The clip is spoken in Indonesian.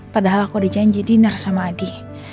padahal aku udah janji diner sama adi